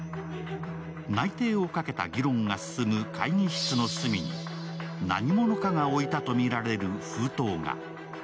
内定をかけた議論が進む会議室の隅に何者かが置いたとみられる封筒が。